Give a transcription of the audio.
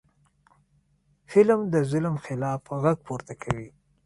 فلم د ظلم خلاف غږ پورته کوي